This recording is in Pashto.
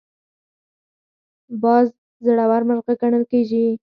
باز زړور مرغه ګڼل کېږي